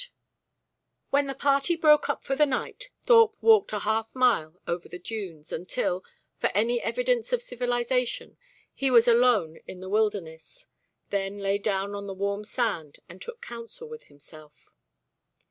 VIII When the party broke up for the night Thorpe walked a half mile over the dunes, until, for any evidence of civilisation, he was alone in the wilderness, then lay down on the warm sand and took counsel with himself.